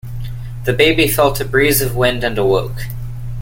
The baby felt a breeze of wind and awoke.